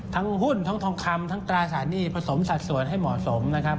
หุ้นทั้งทองคำทั้งตราสารหนี้ผสมสัดส่วนให้เหมาะสมนะครับ